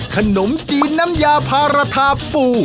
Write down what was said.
ขนมจีนน้ำยาพาราทาปู